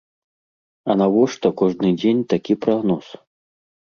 А навошта кожны дзень такі прагноз?